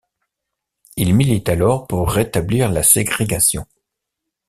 Il milite alors pour rétablir la ségrégation.